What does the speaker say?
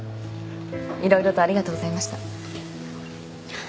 色々とありがとうございました。